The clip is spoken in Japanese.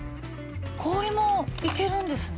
氷もいけるんですね。